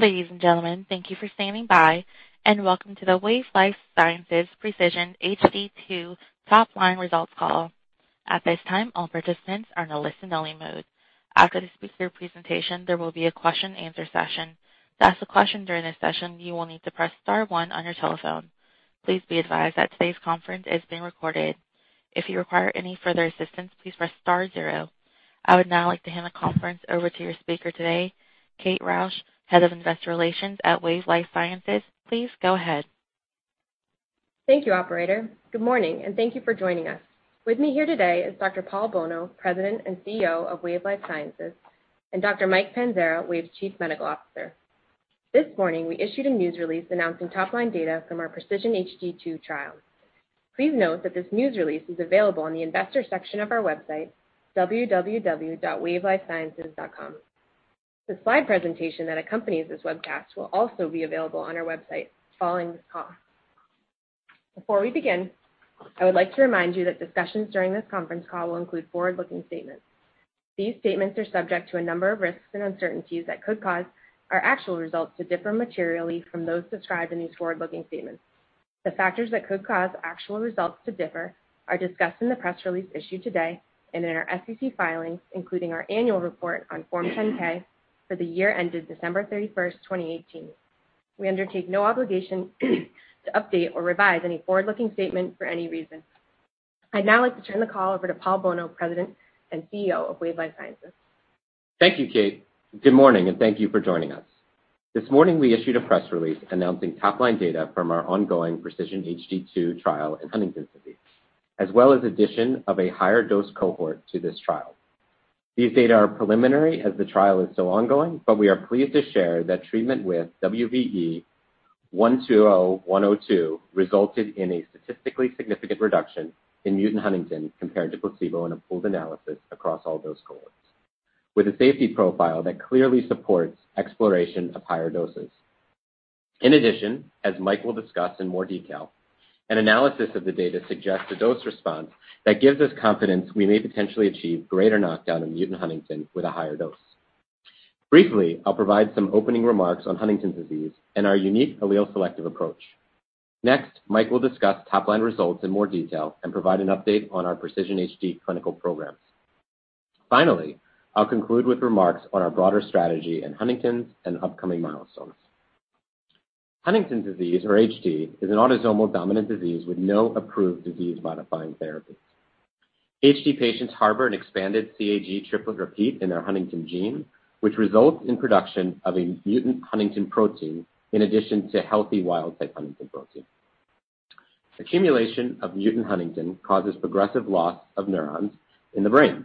Ladies and gentlemen, thank you for standing by. Welcome to the Wave Life Sciences PRECISION-HD2 Top Line Results Call. At this time, all participants are in a listen-only mode. After the speaker presentation, there will be a question-and-answer session. To ask a question during this session, you will need to press star one on your telephone. Please be advised that today's conference is being recorded. If you require any further assistance, please press star zero. I would now like to hand the conference over to your speaker today, Kate Roush, Head of Investor Relations at Wave Life Sciences. Please go ahead. Thank you, operator. Good morning, and thank you for joining us. With me here today is Dr. Paul Bolno, President and CEO of Wave Life Sciences, and Dr. Mike Panzara, Wave's Chief Medical Officer. This morning, we issued a news release announcing top-line data from our PRECISION-HD2 trial. Please note that this news release is available on the investor section of our website, www.wavelifesciences.com. The slide presentation that accompanies this webcast will also be available on our website following this call. Before we begin, I would like to remind you that discussions during this conference call will include forward-looking statements. These statements are subject to a number of risks and uncertainties that could cause our actual results to differ materially from those described in these forward-looking statements. The factors that could cause actual results to differ are discussed in the press release issued today and in our SEC filings, including our annual report on Form 10-K for the year ended December 31, 2018. We undertake no obligation to update or revise any forward-looking statements for any reason. I'd now like to turn the call over to Paul Bolno, President and CEO of Wave Life Sciences. Thank you, Kate. Good morning, and thank you for joining us. This morning, we issued a press release announcing top-line data from our ongoing PRECISION-HD2 trial in Huntington's disease, as well as addition of a higher dose cohort to this trial. These data are preliminary as the trial is still ongoing, but we are pleased to share that treatment with WVE-120102 resulted in a statistically significant reduction in mutant huntingtin compared to placebo in a pooled analysis across all those cohorts, with a safety profile that clearly supports exploration of higher doses. In addition, as Mike will discuss in more detail, an analysis of the data suggests a dose response that gives us confidence we may potentially achieve greater knockdown of mutant huntingtin with a higher dose. Briefly, I'll provide some opening remarks on Huntington's disease and our unique allele-selective approach. Next, Mike will discuss top-line results in more detail and provide an update on our PRECISION-HD clinical programs. Finally, I'll conclude with remarks on our broader strategy in Huntington's and upcoming milestones. Huntington's disease, or HD, is an autosomal dominant disease with no approved disease-modifying therapies. HD patients harbor an expanded CAG triplet repeat in their huntingtin gene, which results in production of a mutant huntingtin protein in addition to healthy wild-type huntingtin protein. Accumulation of mutant huntingtin causes progressive loss of neurons in the brain.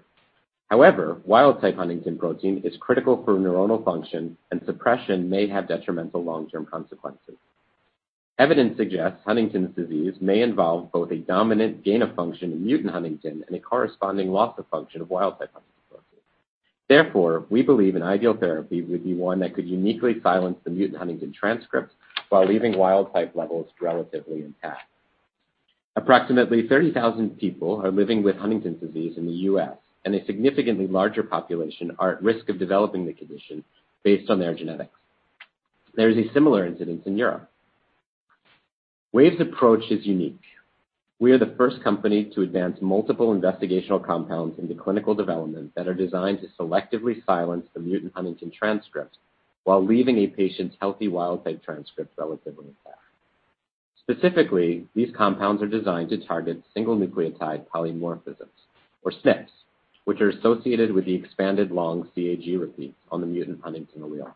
Wild-type huntingtin protein is critical for neuronal function, and suppression may have detrimental long-term consequences. Evidence suggests Huntington's disease may involve both a dominant gain of function in mutant huntingtin and a corresponding loss of function of wild-type huntingtin protein. Therefore, we believe an ideal therapy would be one that could uniquely silence the mutant huntingtin transcripts while leaving wild-type levels relatively intact. Approximately 30,000 people are living with Huntington's disease in the U.S., and a significantly larger population are at risk of developing the condition based on their genetics. There is a similar incidence in Europe. Wave's approach is unique. We are the first company to advance multiple investigational compounds into clinical development that are designed to selectively silence the mutant huntingtin transcripts while leaving a patient's healthy wild-type transcripts relatively intact. Specifically, these compounds are designed to target single nucleotide polymorphisms, or SNPs, which are associated with the expanded long CAG repeats on the mutant huntingtin allele.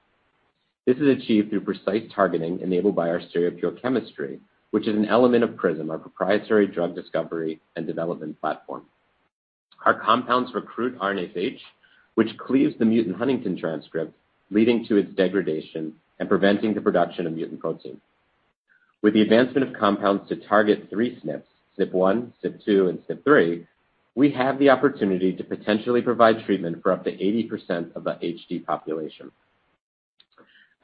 This is achieved through precise targeting enabled by our stereochemistry, which is an element of Prism, our proprietary drug discovery and development platform. Our compounds recruit RNase H, which cleaves the mutant huntingtin transcript, leading to its degradation and preventing the production of mutant protein. With the advancement of compounds to target three SNPs, SNP1, SNP2, and SNP3, we have the opportunity to potentially provide treatment for up to 80% of the HD population.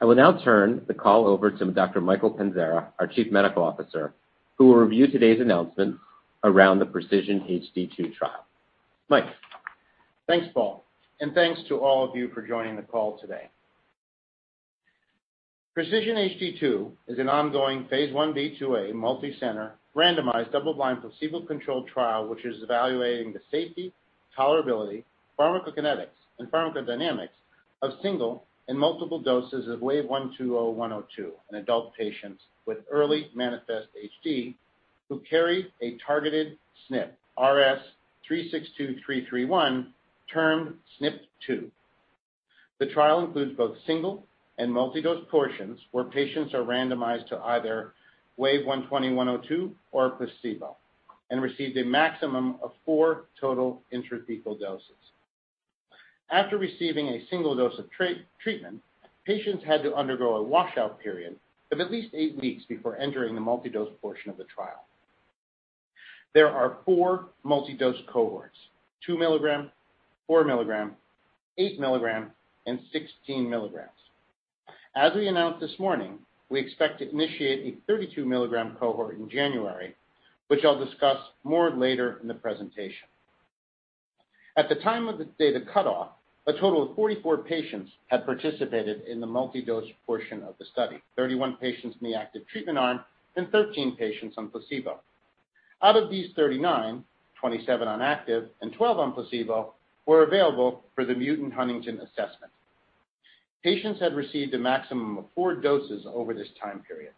I will now turn the call over to Dr. Mike Panzara, our Chief Medical Officer, who will review today's announcement around the PRECISION-HD2 trial. Mike? Thanks, Paul, and thanks to all of you for joining the call today. PRECISION-HD2 is an ongoing phase I-B/II-A multi-center randomized double-blind placebo-controlled trial which is evaluating the safety, tolerability, pharmacokinetics, and pharmacodynamics of single and multiple doses of WVE-120102 in adult patients with early manifest HD who carry a targeted SNP, rs362331, termed SNP2. The trial includes both single and multi-dose portions where patients are randomized to either WVE-120102 or a placebo and received a maximum of four total intrathecal doses. After receiving a single dose of treatment, patients had to undergo a washout period of at least eight weeks before entering the multi-dose portion of the trial. There are 4 multi-dose cohorts, 2 milligram, 4 milligram, 8 milligram, and 16 milligrams. As we announced this morning, we expect to initiate a 32 mg cohort in January, which I'll discuss more later in the presentation. At the time of the data cutoff, a total of 44 patients had participated in the multi-dose portion of the study, 31 patients in the active treatment arm and 13 patients on placebo. Out of these 39, 27 on active and 12 on placebo were available for the mutant huntingtin assessment. Patients had received a maximum of four doses over this time period.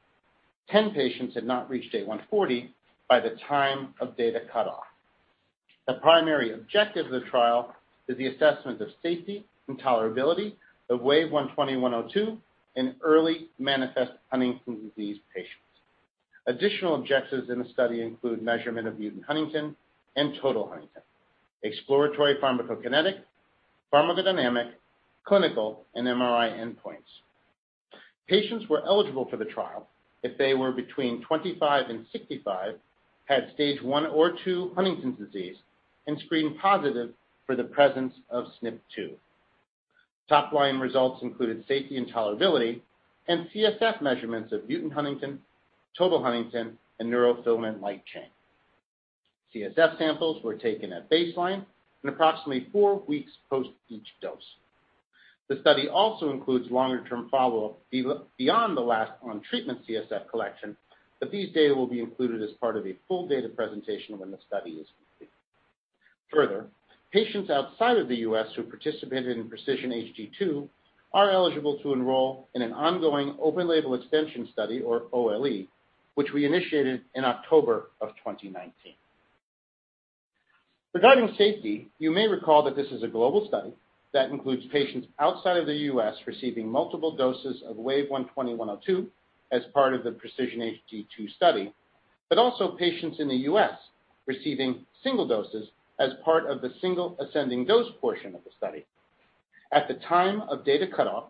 Ten patients had not reached day 140 by the time of data cutoff. The primary objective of the trial is the assessment of safety and tolerability of WVE-120102 in early manifest Huntington's disease patients. Additional objectives in the study include measurement of mutant huntingtin and total huntingtin, exploratory pharmacokinetic, pharmacodynamic, clinical, and MRI endpoints. Patients were eligible for the trial if they were between 25 and 65, had Stage 1 or 2 Huntington's disease, and screened positive for the presence of SNP2. Top line results included safety and tolerability and CSF measurements of mutant huntingtin, total huntingtin, and neurofilament light chain. CSF samples were taken at baseline and approximately four weeks post each dose. The study also includes longer-term follow-up beyond the last on-treatment CSF collection, but these data will be included as part of a full data presentation when the study is complete. Further, patients outside of the U.S. who participated in PRECISION-HD2 are eligible to enroll in an ongoing open-label extension study, or OLE, which we initiated in October of 2019. Regarding safety, you may recall that this is a global study that includes patients outside of the U.S. receiving multiple doses of WVE-120102 as part of the PRECISION-HD2 study, but also patients in the U.S. receiving single doses as part of the single ascending dose portion of the study. At the time of data cutoff,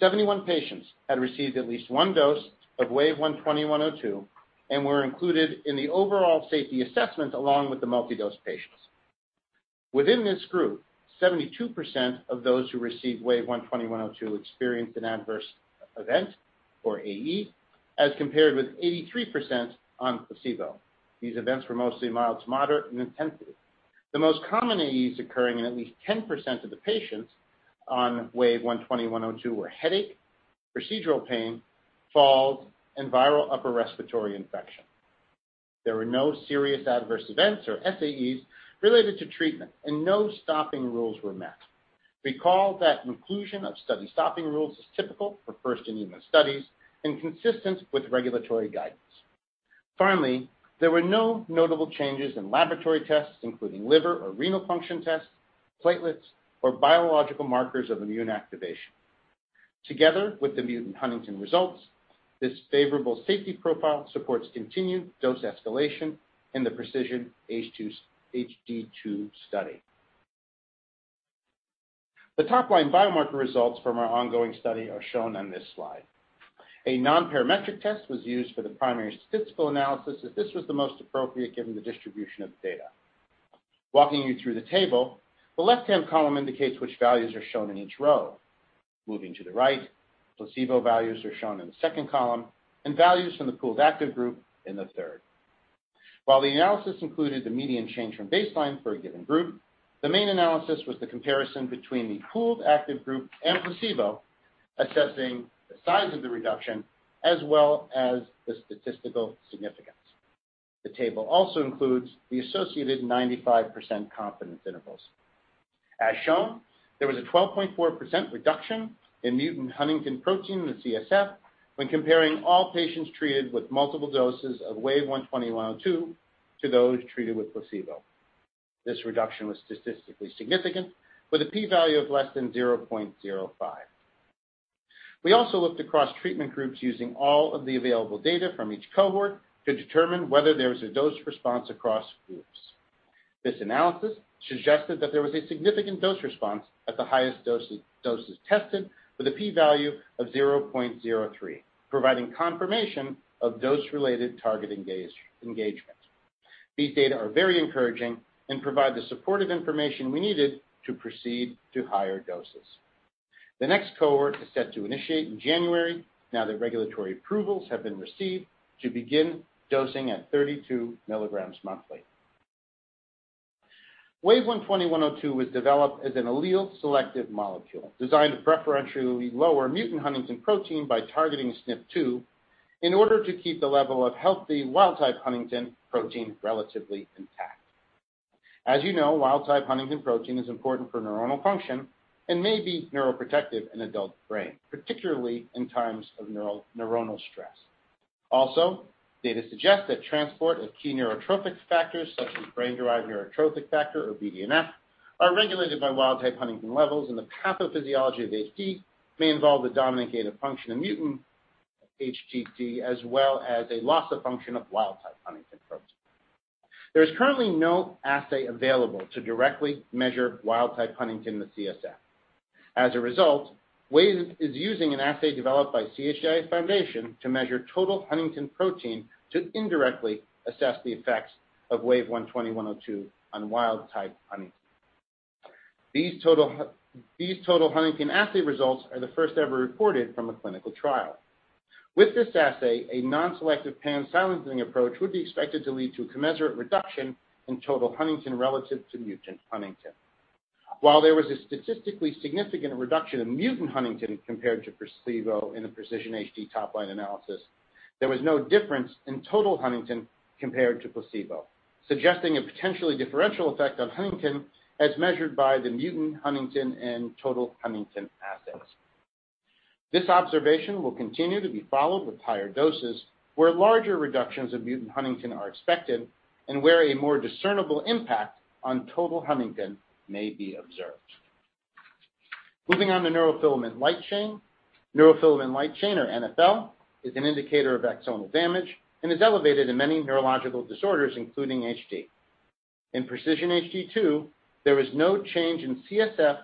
71 patients had received at least one dose of WVE-120102 and were included in the overall safety assessment, along with the multi-dose patients. Within this group, 72% of those who received WVE-120102 experienced an adverse event, or AE, as compared with 83% on placebo. These events were mostly mild to moderate in intensity. The most common AEs occurring in at least 10% of the patients on WVE-120102 were headache, procedural pain, falls, and viral upper respiratory infection. There were no serious adverse events, or SAEs, related to treatment, and no stopping rules were met. Recall that inclusion of study stopping rules is typical for first-in-human studies and consistent with regulatory guidance. Finally, there were no notable changes in laboratory tests, including liver or renal function tests, platelets, or biological markers of immune activation. Together with the mutant huntingtin results, this favorable safety profile supports continued dose escalation in the PRECISION-HD2 study. The top-line biomarker results from our ongoing study are shown on this slide. A nonparametric test was used for the primary statistical analysis, as this was the most appropriate given the distribution of data. Walking you through the table, the left-hand column indicates which values are shown in each row. Moving to the right, placebo values are shown in the second column, and values from the pooled active group in the third. While the analysis included the median change from baseline for a given group, the main analysis was the comparison between the pooled active group and placebo, assessing the size of the reduction as well as the statistical significance. The table also includes the associated 95% confidence intervals. As shown, there was a 12.4% reduction in mutant huntingtin protein in the CSF when comparing all patients treated with multiple doses of WVE-120102 to those treated with placebo. This reduction was statistically significant, with a P value of less than 0.05. We also looked across treatment groups using all of the available data from each cohort to determine whether there was a dose response across groups. This analysis suggested that there was a significant dose response at the highest doses tested with a P value of 0.03, providing confirmation of dose-related target engagement. These data are very encouraging and provide the supportive information we needed to proceed to higher doses. The next cohort is set to initiate in January now that regulatory approvals have been received to begin dosing at 32 milligrams monthly. WVE-120102 was developed as an allele-selective molecule designed to preferentially lower mutant huntingtin protein by targeting SNP2 in order to keep the level of healthy wild-type huntingtin protein relatively intact. As you know, wild-type huntingtin protein is important for neuronal function and may be neuroprotective in adult brain, particularly in times of neuronal stress. Data suggest that transport of key neurotrophic factors such as brain-derived neurotrophic factor, or BDNF, are regulated by wild-type huntingtin levels and the pathophysiology of HD may involve the dominant gain of function of mutant HTT as well as a loss of function of wild-type huntingtin protein. There is currently no assay available to directly measure wild-type huntingtin in the CSF. As a result, Wave is using an assay developed by CHDI Foundation to measure total huntingtin protein to indirectly assess the effects of WVE-120102 on wild-type huntingtin. These total huntingtin assay results are the first ever reported from a clinical trial. With this assay, a non-selective pan-silencing approach would be expected to lead to a commensurate reduction in total huntingtin relative to mutant huntingtin. While there was a statistically significant reduction in mutant huntingtin compared to placebo in the PRECISION-HD top line analysis, there was no difference in total huntingtin compared to placebo, suggesting a potentially differential effect on huntingtin as measured by the mutant huntingtin and total huntingtin assays. This observation will continue to be followed with higher doses, where larger reductions of mutant huntingtin are expected and where a more discernible impact on total huntingtin may be observed. Moving on to neurofilament light chain. Neurofilament light chain, or NfL, is an indicator of axonal damage and is elevated in many neurological disorders, including HD. In PRECISION-HD2, there was no change in CSF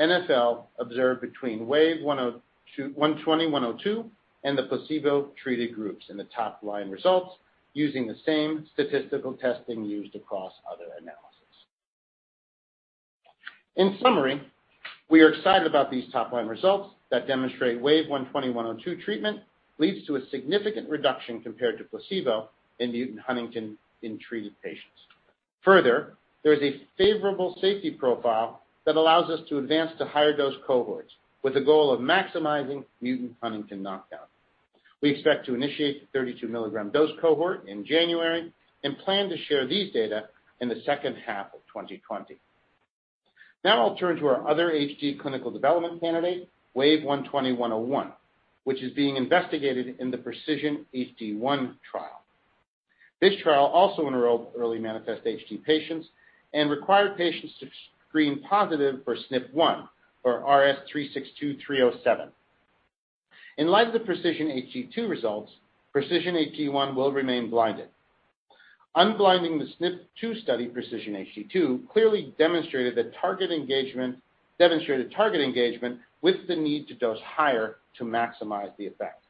NfL observed between WVE-120102 and the placebo-treated groups in the top-line results, using the same statistical testing used across other analysis. In summary, we are excited about these top-line results that demonstrate WVE-120102 treatment leads to a significant reduction compared to placebo in mutant huntingtin in treated patients. Further, there is a favorable safety profile that allows us to advance to higher dose cohorts with the goal of maximizing mutant huntingtin knockdown. We expect to initiate the 32 milligram dose cohort in January and plan to share these data in the second half of 2020. I'll turn to our other HD clinical development candidate, WVE-120101, which is being investigated in the PRECISION-HD1 trial. This trial also enrolled early manifest HD patients and required patients to screen positive for SNP1 or rs362307. In light of the PRECISION-HD2 results, PRECISION-HD1 will remain blinded. Unblinding the SNP2 study, PRECISION-HD2, clearly demonstrated target engagement with the need to dose higher to maximize the effect.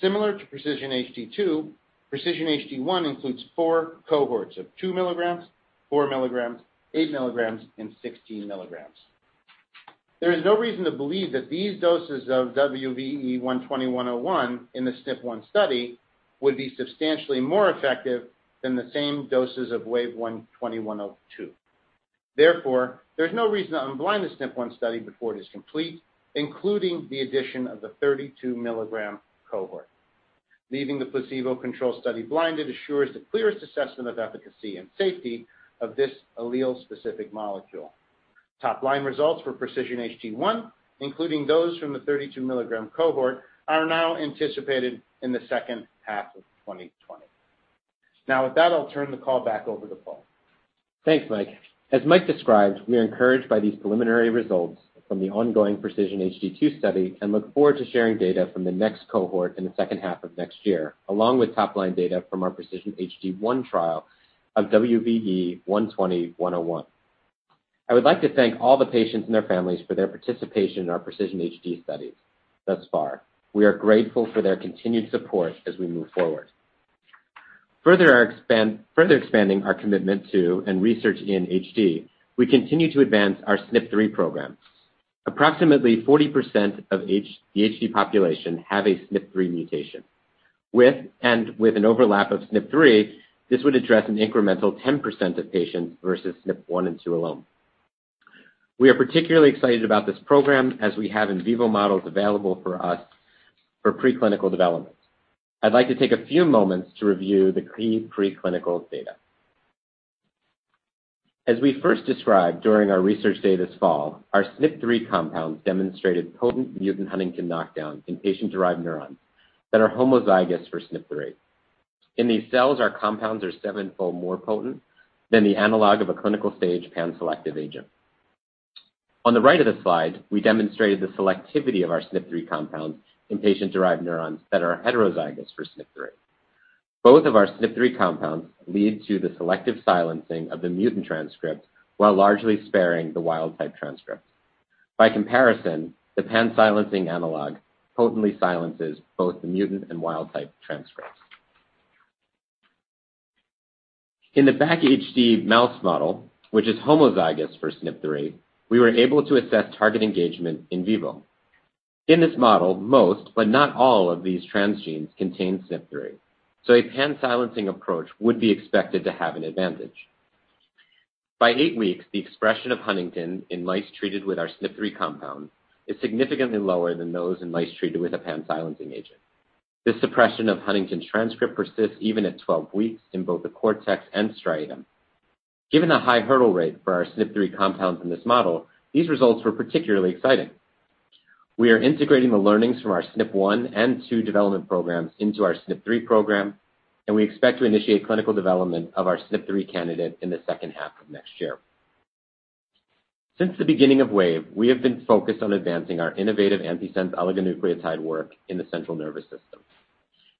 Similar to PRECISION-HD2, PRECISION-HD1 includes four cohorts of 2 milligrams, 4 milligrams, 8 milligrams, and 16 milligrams. There is no reason to believe that these doses of WVE-120101 in the SNP1 study would be substantially more effective than the same doses of WVE-120102. There's no reason to unblind the SNP1 study before it is complete, including the addition of the 32 milligram cohort. Leaving the placebo control study blinded assures the clearest assessment of efficacy and safety of this allele-specific molecule. Top-line results for PRECISION-HD1, including those from the 32 milligram cohort, are now anticipated in the second half of 2020. With that, I'll turn the call back over to Paul. Thanks, Mike. As Mike described, we are encouraged by these preliminary results from the ongoing PRECISION-HD2 study and look forward to sharing data from the next cohort in the second half of next year, along with top-line data from our PRECISION-HD1 trial of WVE-120101. I would like to thank all the patients and their families for their participation in our PRECISION-HD studies thus far. We are grateful for their continued support as we move forward. Further expanding our commitment to and research in HD, we continue to advance our SNP3 programs. Approximately 40% of the HD population have a SNP3 mutation. With an overlap of SNP3, this would address an incremental 10% of patients versus SNP1 and 2 alone. We are particularly excited about this program as we have in vivo models available for us for preclinical development. I'd like to take a few moments to review the key preclinical data. As we first described during our research day this fall, our SNP3 compounds demonstrated potent mutant huntingtin knockdown in patient-derived neurons that are homozygous for SNP3. In these cells, our compounds are sevenfold more potent than the analog of a clinical stage pan-selective agent. On the right of the slide, we demonstrated the selectivity of our SNP3 compounds in patient-derived neurons that are heterozygous for SNP3. Both of our SNP3 compounds lead to the selective silencing of the mutant transcripts while largely sparing the wild-type transcripts. By comparison, the pan-silencing analog potently silences both the mutant and wild-type transcripts. In the BACHD mouse model, which is homozygous for SNP3, we were able to assess target engagement in vivo. In this model, most, but not all of these transgenes contain SNP3, so a pan-silencing approach would be expected to have an advantage. By eight weeks, the expression of huntingtin in mice treated with our SNP3 compound is significantly lower than those in mice treated with a pan-silencing agent. This suppression of huntingtin transcript persists even at 12 weeks in both the cortex and striatum. Given the high hurdle rate for our SNP3 compounds in this model, these results were particularly exciting. We are integrating the learnings from our SNP1 and two development programs into our SNP3 program, and we expect to initiate clinical development of our SNP3 candidate in the second half of next year. Since the beginning of Wave, we have been focused on advancing our innovative antisense oligonucleotide work in the central nervous system.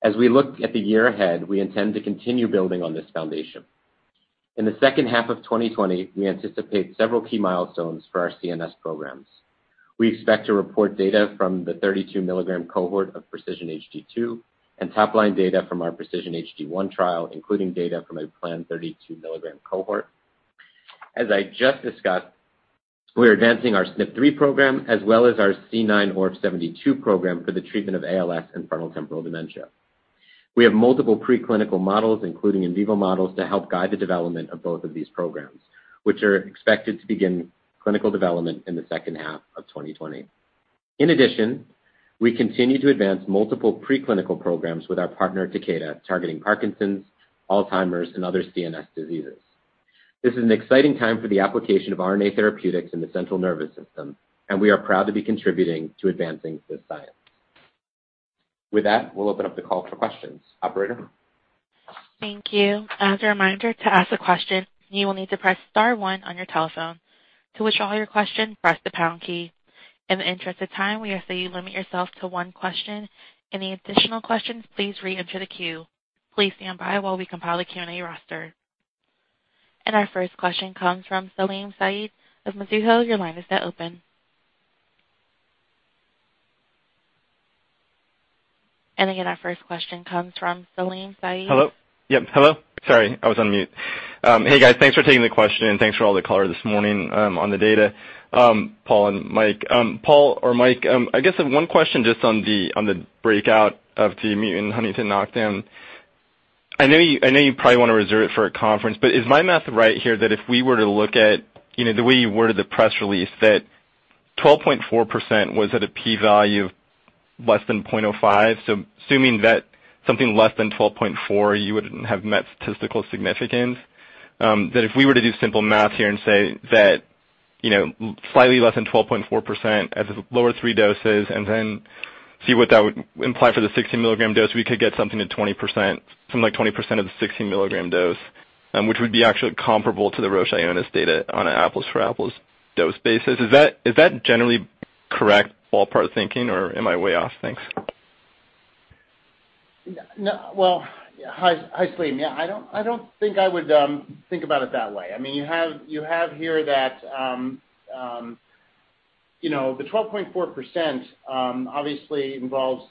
As we look at the year ahead, we intend to continue building on this foundation. In the second half of 2020, we anticipate several key milestones for our CNS programs. We expect to report data from the 32 milligram cohort of PRECISION-HD2, and top line data from our PRECISION-HD1 trial, including data from a planned 32 milligram cohort. As I just discussed, we are advancing our SNP3 program as well as our C9orf72 program for the treatment of ALS and frontotemporal dementia. We have multiple preclinical models, including in vivo models, to help guide the development of both of these programs, which are expected to begin clinical development in the second half of 2020. In addition, we continue to advance multiple preclinical programs with our partner, Takeda, targeting Parkinson's, Alzheimer's, and other CNS diseases. This is an exciting time for the application of RNA therapeutics in the central nervous system, and we are proud to be contributing to advancing this science. With that, we'll open up the call for questions. Operator? Thank you. As a reminder, to ask a question, you will need to press star one on your telephone. To withdraw your question, press the pound key. In the interest of time, we ask that you limit yourself to one question. Any additional questions, please reenter the queue. Please stand by while we compile a Q&A roster. Our first question comes from Salim Syed of Mizuho. Your line is now open. Again, our first question comes from Salim Syed. Hello. Yep, hello. Sorry, I was on mute. Hey, guys. Thanks for taking the question, and thanks for all the color this morning on the data, Paul and Mike. Paul or Mike, I guess one question just on the breakout of the mutant huntingtin knockdown. I know you probably want to reserve it for a conference, but is my math right here that if we were to look at the way you worded the press release, that 12.4% was at a P value of less than .05. Assuming that something less than 12.4, you wouldn't have met statistical significance, that if we were to do simple math here and say that slightly less than 12.4% at the lower three doses, and then see what that would imply for the 60 milligram dose, we could get something at 20%, something like 20% of the 60 milligram dose, which would be actually comparable to the Roche-Ionis data on an apples for apples dose basis. Is that generally correct ballpark thinking, or am I way off? Thanks. Well, hi, Salim. Yeah, I don't think I would think about it that way. You have here that the 12.4% obviously involves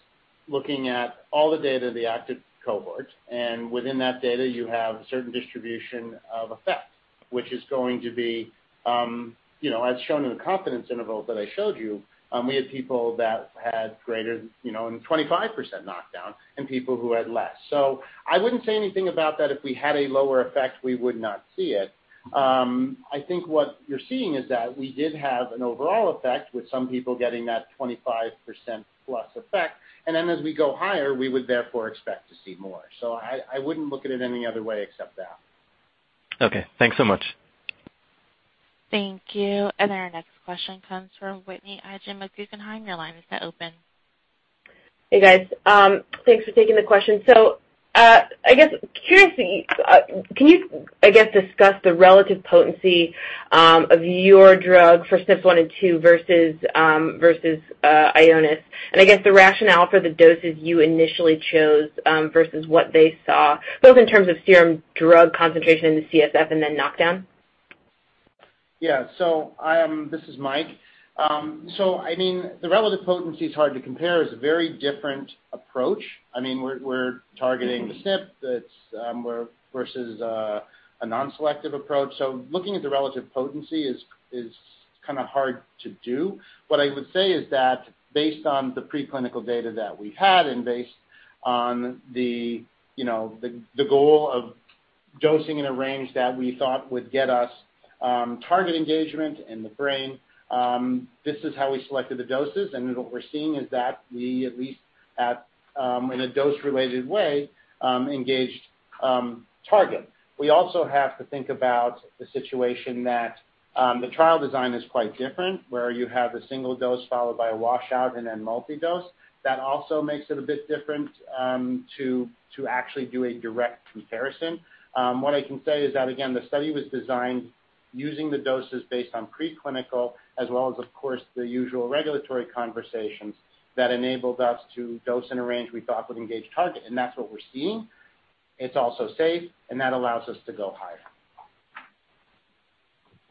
looking at all the data of the active cohort, and within that data, you have a certain distribution of effect, which is going to be as shown in the confidence interval that I showed you. We had people that had greater than 25% knockdown and people who had less. I wouldn't say anything about that if we had a lower effect, we would not see it. I think what you're seeing is that we did have an overall effect with some people getting that 25% plus effect, and then as we go higher, we would therefore expect to see more. I wouldn't look at it any other way except that. Okay, thanks so much. Thank you. Our next question comes from Whitney Ijem with Guggenheim. Your line is now open. Hey, guys. Thanks for taking the question. I guess, curiously, can you, I guess, discuss the relative potency of your drug for SNP1 and 2 versus Ionis? I guess the rationale for the doses you initially chose versus what they saw, both in terms of serum drug concentration in the CSF and then knockdown. This is Mike. The relative potency is hard to compare, it's a very different approach. We're targeting the SNP versus a non-selective approach. Looking at the relative potency is kind of hard to do. What I would say is that based on the preclinical data that we had, and based on the goal of dosing in a range that we thought would get us target engagement in the brain, this is how we selected the doses. What we're seeing is that we at least at, in a dose-related way, engaged target. We also have to think about the situation that the trial design is quite different, where you have a single dose followed by a washout and then multi-dose. That also makes it a bit different to actually do a direct comparison. What I can say is that, again, the study was designed using the doses based on preclinical as well as, of course, the usual regulatory conversations that enabled us to dose in a range we thought would engage target, and that's what we're seeing. It's also safe, and that allows us to go higher.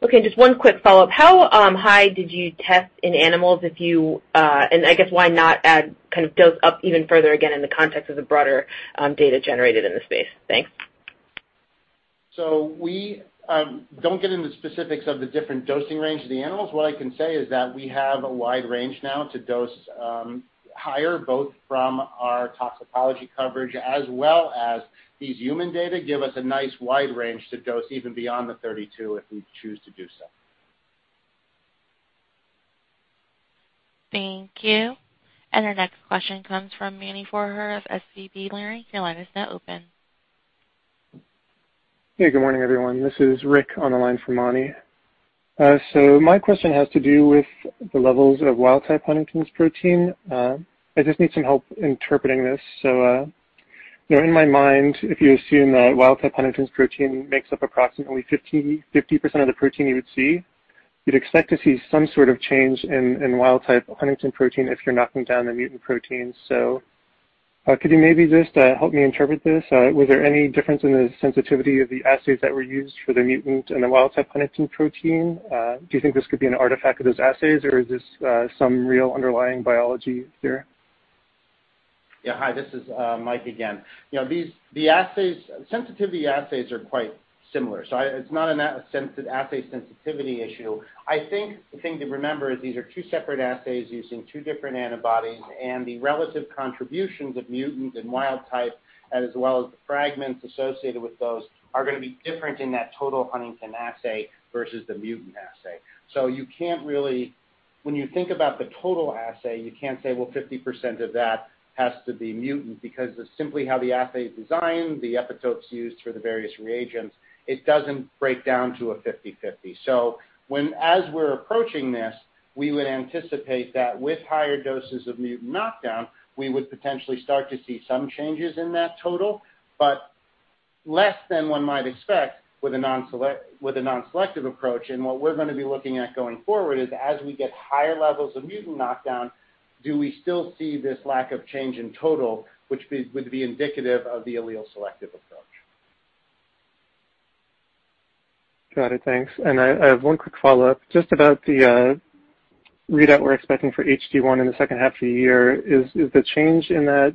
Okay, just one quick follow-up. How high did you test in animals, and I guess why not add dose up even further, again, in the context of the broader data generated in the space? Thanks. We don't get into specifics of the different dosing range of the animals. What I can say is that we have a wide range now to dose higher, both from our toxicology coverage as well as these human data give us a nice wide range to dose even beyond the 32 if we choose to do so. Thank you. Our next question comes from Mani Foroohar of SVB Leerink. Your line is now open. Hey, good morning, everyone. This is Rick on the line for Mani. My question has to do with the levels of wild-type huntingtin protein. I just need some help interpreting this. In my mind, if you assume that wild-type huntingtin protein makes up approximately 50% of the protein you would see, you'd expect to see some sort of change in wild-type huntingtin protein if you're knocking down the mutant protein. Could you maybe just help me interpret this? Was there any difference in the sensitivity of the assays that were used for the mutant and the wild-type huntingtin protein? Do you think this could be an artifact of those assays, or is this some real underlying biology here? Yeah. Hi, this is Mike again. The sensitivity assays are quite similar, so it's not an assay sensitivity issue. I think the thing to remember is these are two separate assays using two different antibodies, and the relative contributions of mutant and wild-type, as well as the fragments associated with those, are going to be different in that total huntingtin assay versus the mutant assay. When you think about the total assay, you can't say, well, 50% of that has to be mutant because of simply how the assay is designed, the epitopes used for the various reagents, it doesn't break down to a 50/50. As we're approaching this, we would anticipate that with higher doses of mutant knockdown, we would potentially start to see some changes in that total, but less than one might expect with a non-selective approach. What we're going to be looking at going forward is as we get higher levels of mutant knockdown, do we still see this lack of change in total, which would be indicative of the allele-selective approach. Got it. Thanks. I have one quick follow-up just about the readout we're expecting for HD1 in the second half of the year. Is the change in that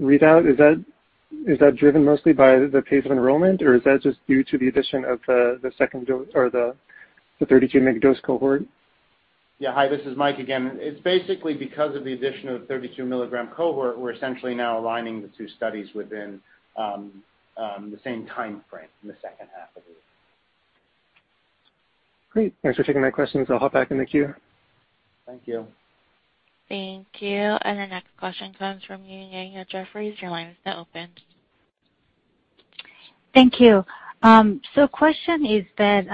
readout, is that driven mostly by the pace of enrollment, or is that just due to the addition of the 32-mg dose cohort? Yeah. Hi, this is Mike again. It's basically because of the addition of 32-milligram cohort. We're essentially now aligning the two studies within the same timeframe in the second half of the year. Great. Thanks for taking my questions. I'll hop back in the queue. Thank you. Thank you. Our next question comes from Yun Zhong at Jefferies. Your line is now open. Thank you. Question is that,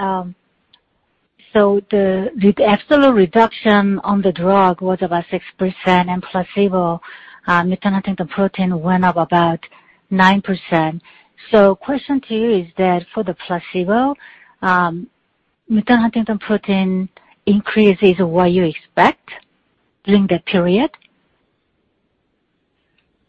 the absolute reduction on the drug was about 6% in placebo, mutant huntingtin protein went up about 9%. Question to you is that for the placebo, mutant huntingtin protein increase is what you expect during that period?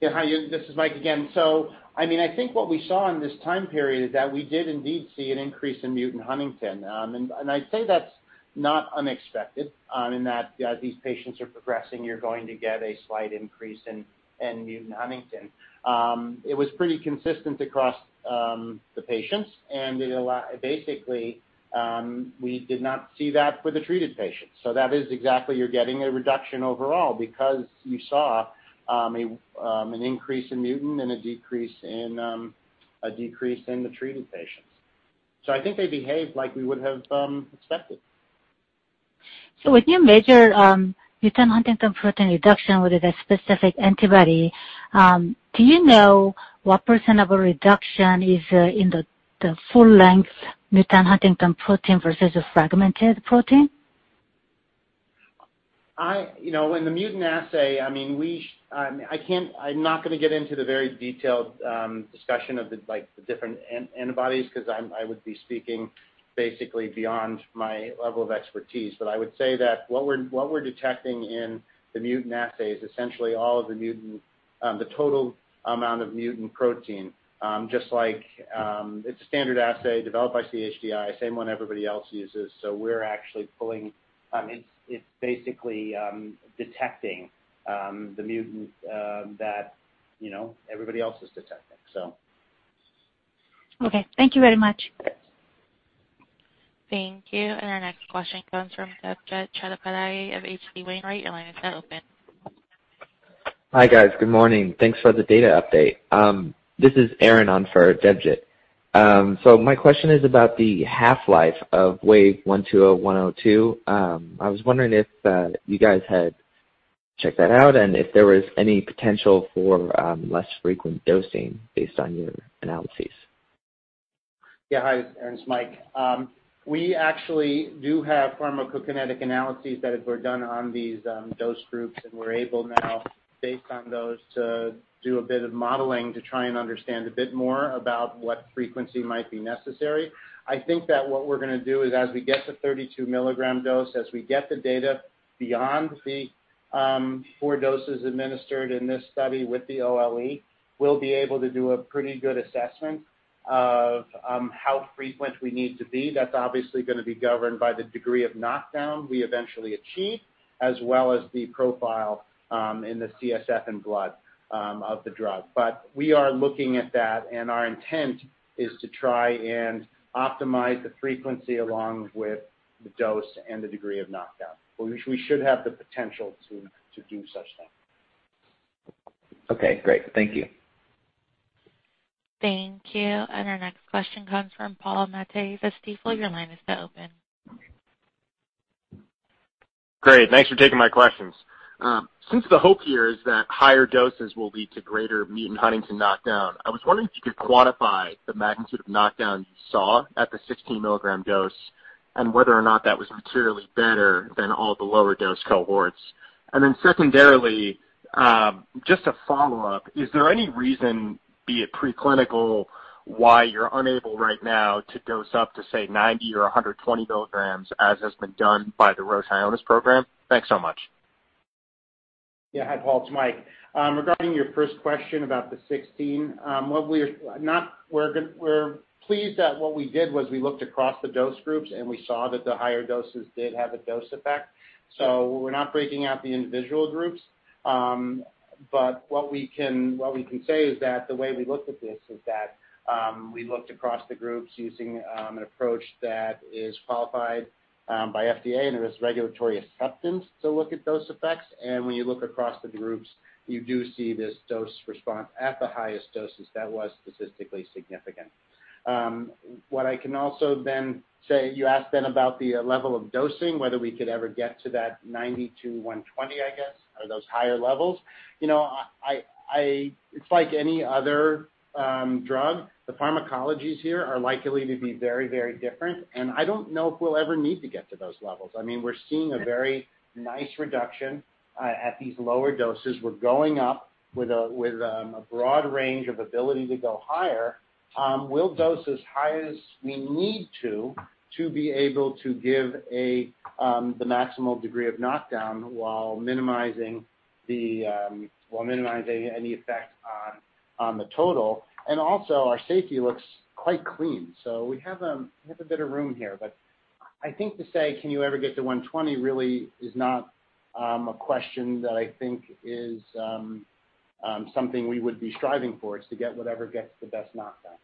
Yeah. Hi, Yun. This is Mike again. I think what we saw in this time period is that we did indeed see an increase in mutant huntingtin. I'd say that's not unexpected, in that these patients are progressing, you're going to get a slight increase in mutant huntingtin. It was pretty consistent across the patients, and basically, we did not see that with the treated patients. That is exactly you're getting a reduction overall because you saw an increase in mutant and a decrease in the treated patients. I think they behaved like we would have expected. When you measure mutant huntingtin protein reduction with a specific antibody, do you know what % of a reduction is in the full length mutant huntingtin protein versus a fragmented protein? In the mutant assay, I'm not going to get into the very detailed discussion of the different antibodies because I would be speaking basically beyond my level of expertise. I would say that what we're detecting in the mutant assays, essentially all of the total amount of mutant protein, just like it's a standard assay developed by CHDI, same one everybody else uses. It's basically detecting the mutant that everybody else is detecting. Okay. Thank you very much. Thank you. Our next question comes from Debjit Chatterjee of H.C. Wainwright. Your line is now open. Hi, guys. Good morning. Thanks for the data update. This is Aaron on for Debjit. My question is about the half-life of WVE-120101 and WVE-120102. I was wondering if you guys had checked that out and if there was any potential for less frequent dosing based on your analyses. Yeah. Hi, Aaron. It's Mike. We actually do have pharmacokinetic analyses that were done on these dose groups, and we're able now, based on those, to do a bit of modeling to try and understand a bit more about what frequency might be necessary. I think that what we're going to do is as we get to 32 milligram dose, as we get the data beyond the four doses administered in this study with the OLE, we'll be able to do a pretty good assessment of how frequent we need to be. That's obviously going to be governed by the degree of knockdown we eventually achieve, as well as the profile in the CSF and blood of the drug. We are looking at that, and our intent is to try and optimize the frequency along with the dose and the degree of knockdown. We should have the potential to do such thing. Okay, great. Thank you. Thank you. Our next question comes from Paul Matteis of Stifel. Your line is now open. Great. Thanks for taking my questions. Since the hope here is that higher doses will lead to greater mutant huntingtin knockdown, I was wondering if you could quantify the magnitude of knockdown you saw at the 16 milligram dose and whether or not that was materially better than all the lower dose cohorts. Then secondarily, just a follow-up, is there any reason, be it preclinical, why you're unable right now to dose up to, say, 90 or 120 milligrams, as has been done by the Roche Ionis program? Thanks so much. Yeah. Hi, Paul. It's Mike. Regarding your first question about the 16, we're pleased that what we did was we looked across the dose groups, and we saw that the higher doses did have a dose effect. We're not breaking out the individual groups. What we can say is that the way we looked at this is that we looked across the groups using an approach that is qualified by FDA, and there is regulatory acceptance to look at dose effects. When you look across the groups, you do see this dose response at the highest doses. That was statistically significant. What I can also then say, you asked then about the level of dosing, whether we could ever get to that 90-120, I guess, or those higher levels. It's like any other drug. The pharmacologies here are likely to be very different, and I don't know if we'll ever need to get to those levels. We're seeing a very nice reduction at these lower doses. We're going up with a broad range of ability to go higher. We'll dose as high as we need to be able to give the maximal degree of knockdown while minimizing any effect on the total. Our safety looks quite clean. We have a bit of room here, but I think to say, can you ever get to 120 really is not a question that I think is something we would be striving for. It's to get whatever gets the best knockdown.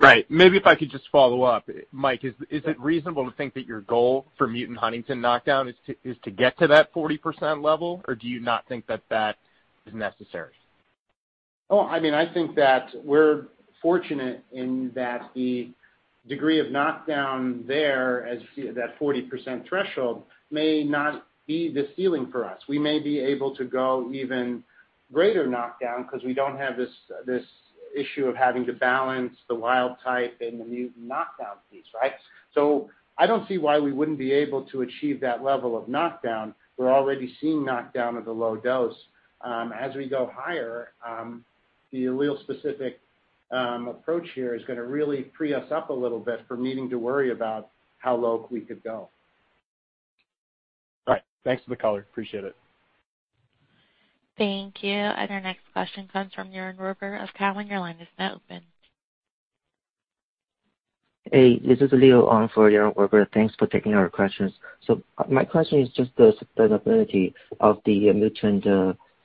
Right. Maybe if I could just follow up. Mike, is it reasonable to think that your goal for mutant huntingtin knockdown is to get to that 40% level? Or do you not think that is necessary? Oh, I think that we're fortunate in that the degree of knockdown there, that 40% threshold, may not be the ceiling for us. We may be able to go even greater knockdown because we don't have this issue of having to balance the wild-type and the mutant knockdown piece, right? I don't see why we wouldn't be able to achieve that level of knockdown. We're already seeing knockdown at the low dose. As we go higher, the allele-selective approach here is going to really free us up a little bit from needing to worry about how low we could go. Right. Thanks for the color. Appreciate it. Thank you. Our next question comes from Yaron Werber of Cowen. Your line is now open. Hey, this is Leo on for Yaron Werber. Thanks for taking our questions. My question is just the sustainability of the mutant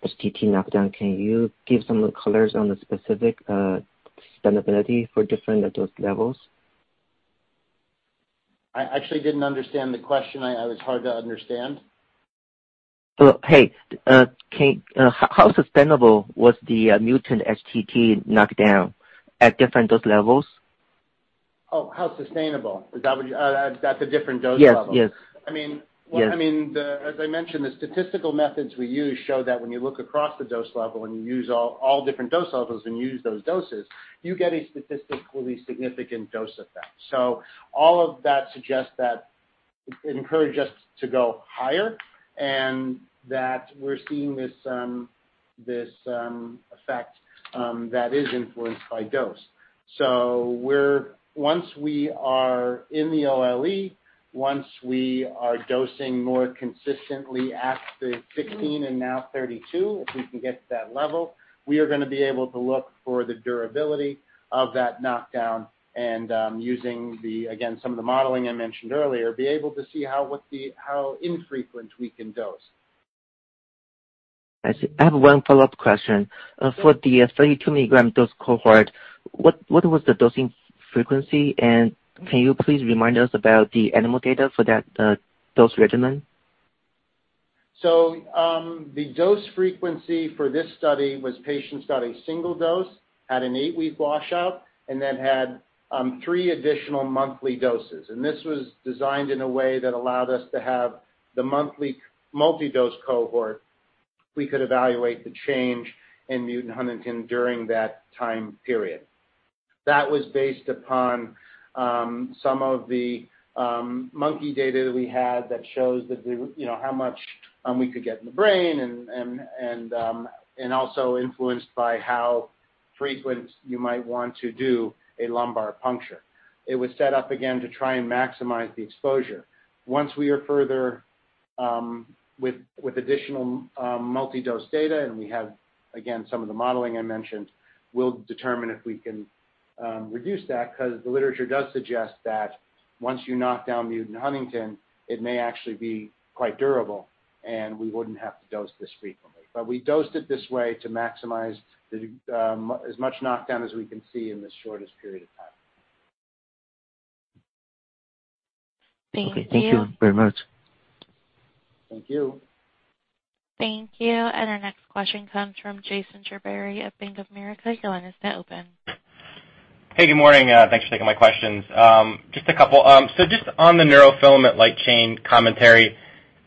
HTT knockdown. Can you give some colors on the specific sustainability for different dose levels? I actually didn't understand the question. It was hard to understand. Hey. How sustainable was the mutant HTT knockdown at different dose levels? Oh, how sustainable? Is that what? At the different dose levels? Yes. As I mentioned, the statistical methods we use show that when you look across the dose level and you use all different dose levels and use those doses, you get a statistically significant dose effect. All of that suggests that it encourages us to go higher and that we're seeing this effect that is influenced by dose. Once we are in the OLE, once we are dosing more consistently at the 16 and now 32, if we can get to that level, we are going to be able to look for the durability of that knockdown and using, again, some of the modeling I mentioned earlier, be able to see how infrequent we can dose. I see. I have one follow-up question. For the 32-milligram dose cohort, what was the dosing frequency, and can you please remind us about the animal data for that dose regimen? The dose frequency for this study was patients got a single dose, had an eight-week washout, and then had three additional monthly doses. This was designed in a way that allowed us to have the monthly multi-dose cohort. We could evaluate the change in mutant huntingtin during that time period. That was based upon some of the monkey data that we had that shows how much we could get in the brain, and also influenced by how frequent you might want to do a lumbar puncture. It was set up again to try and maximize the exposure. Once we are further with additional multi-dose data, and we have, again, some of the modeling I mentioned, we'll determine if we can reduce that, because the literature does suggest that once you knock down mutant huntingtin, it may actually be quite durable, and we wouldn't have to dose this frequently. We dosed it this way to maximize as much knockdown as we can see in the shortest period of time. Thank you. Thank you very much. Thank you. Thank you. Our next question comes from Jason Zemansky of Bank of America. Your line is now open. Hey, good morning. Thanks for taking my questions. Just a couple. Just on the neurofilament light chain commentary,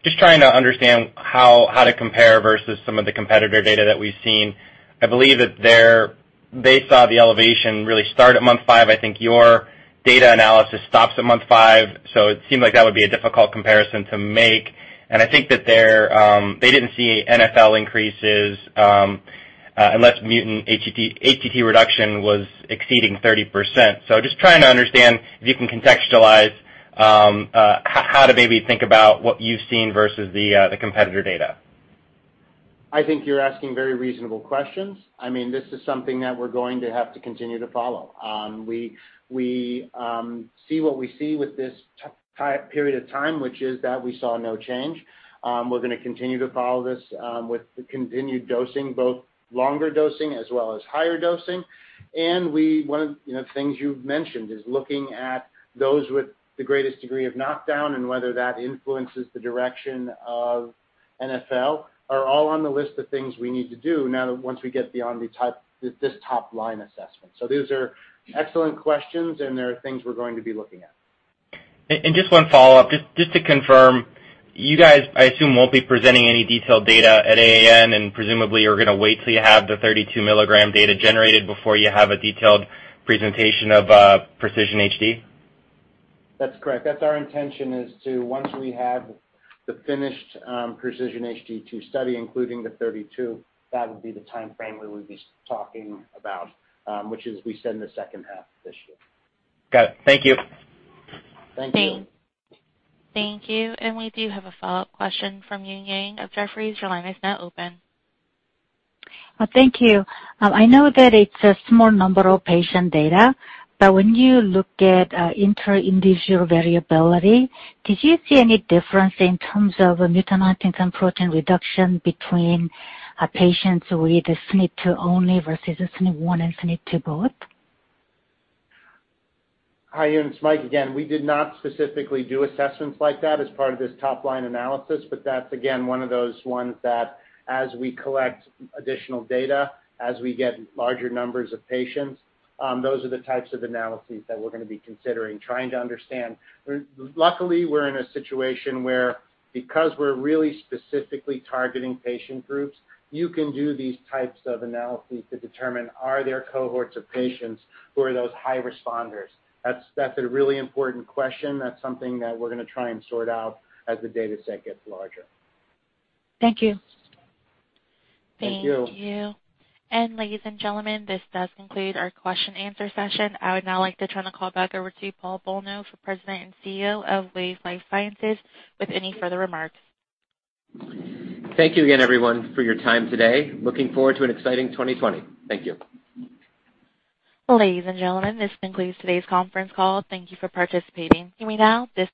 just trying to understand how to compare versus some of the competitor data that we've seen. I believe that they saw the elevation really start at month five. I think your data analysis stops at month five, so it seemed like that would be a difficult comparison to make. I think that they didn't see NfL increases unless mutant HTT reduction was exceeding 30%. Just trying to understand if you can contextualize how to maybe think about what you've seen versus the competitor data. I think you're asking very reasonable questions. This is something that we're going to have to continue to follow. We see what we see with this period of time, which is that we saw no change. We're going to continue to follow this with the continued dosing, both longer dosing as well as higher dosing. One of the things you've mentioned is looking at those with the greatest degree of knockdown and whether that influences the direction of NfL, are all on the list of things we need to do now once we get beyond this top-line assessment. Those are excellent questions, and they are things we're going to be looking at. Just one follow-up, just to confirm, you guys, I assume, won't be presenting any detailed data at AAN and presumably are going to wait till you have the 32 milligram data generated before you have a detailed presentation of PRECISION-HD? That's correct. That's our intention is to, once we have the finished PRECISION-HD2 study, including the 32, that would be the timeframe where we'd be talking about, which is, we said in the second half of this year. Got it. Thank you. Thank you. Thank you. We do have a follow-up question from Yun Zhong of Jefferies. Your line is now open. Thank you. I know that it's a small number of patient data, but when you look at inter-individual variability, did you see any difference in terms of mutant huntingtin protein reduction between patients with SNP2 only versus SNP1 and SNP2 both? Hi, Yun. It's Mike again. We did not specifically do assessments like that as part of this top-line analysis. That's, again, one of those ones that as we collect additional data, as we get larger numbers of patients, those are the types of analyses that we're going to be considering trying to understand. Luckily, we're in a situation where because we're really specifically targeting patient groups, you can do these types of analyses to determine are there cohorts of patients who are those high responders? That's a really important question. That's something that we're going to try and sort out as the dataset gets larger. Thank you. Thank you. Thank you. Ladies and gentlemen, this does conclude our question-and-answer session. I would now like to turn the call back over to Paul Bolno for President and CEO of Wave Life Sciences with any further remarks. Thank you again, everyone, for your time today. Looking forward to an exciting 2020. Thank you. Ladies and gentlemen, this concludes today's conference call. Thank you for participating. You may now disconnect.